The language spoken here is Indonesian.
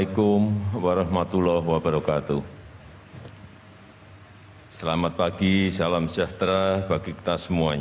yang saya hormati duta besar republik korea untuk indonesia yang mulia bapak pak taesung